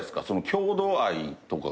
郷土愛とかが。